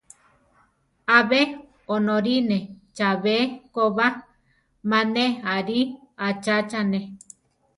Abe onorine chabé ko ba, ma ne arí achachane.